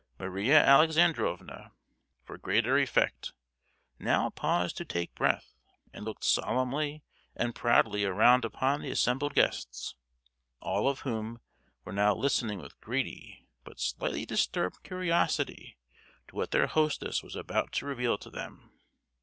Maria Alexandrovna, for greater effect, now paused to take breath, and looked solemnly and proudly around upon the assembled guests, all of whom were now listening with greedy but slightly disturbed curiosity to what their hostess was about to reveal to them.